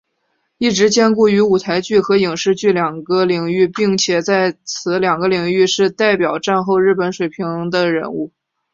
一直兼顾于舞台剧和影视剧两个领域并且在此两个领域是代表战后日本水平的人物。